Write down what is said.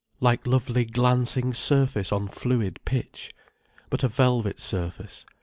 Like lovely glancing surface on fluid pitch. But a velvet surface.